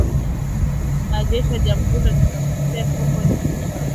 na jeshi la jamuhuri ya kidemokrasia ya Kongo kwa waandishi wa habari